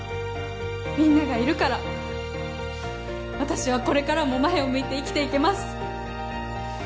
みんながいるから私はこれからも前を向いて生きて行けます。